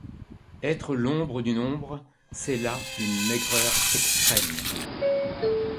Être l’ombre d’une ombre, c’est là une maigreur extrême.